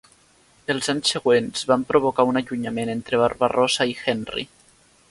Els anys següents van provocar un allunyament entre Barbarossa i Henry.